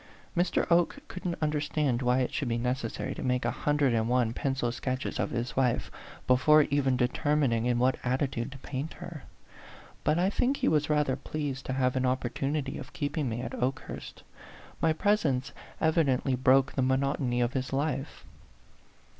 Mr. Oke couldn't understand why it should be neces sary to make a hundred and one pencil sketches of his wife before even determining in what attitude to paint her; but I think he was rather pleased to have an opportu nity of keeping me at Okehnrst my presence evidently broke the monotony of his life.